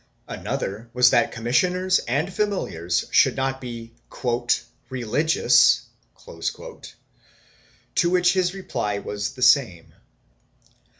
Another was that commissioners and familiars should not be " religious," to which his reply was the same.